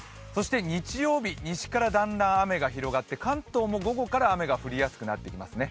日曜日、西からだんだん雨が広がって関東も午後から雨が降りやすくなってきますね。